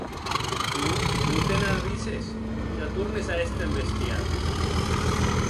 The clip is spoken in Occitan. Non, non te n'arrisses, ja tornes a èster embestiat.